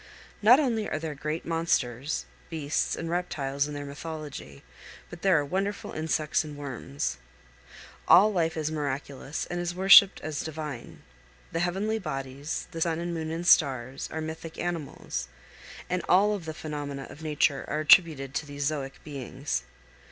Not only are there great monsters, beasts, and reptiles in their mythology, but there are wonderful insects and worms. All life is miraculous and is worshiped as divine. The heavenly bodies, the sun and moon and stars, are mythic animals, and all of the phenomena of nature are attributed to these zoic beings.